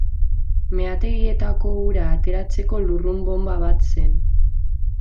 Meategietako ura ateratzeko lurrun-bonba bat zen.